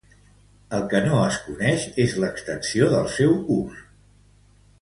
El que no es coneix és l'extensió del seu ús.